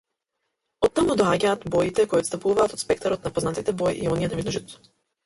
Оттаму доаѓаат боите кои отстапуваат од спектарот на познатите бои и оние на виножитото.